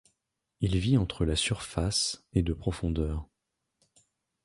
Il vit entre la surface et de profondeur.